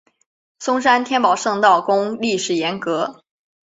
松山天宝圣道宫历史沿革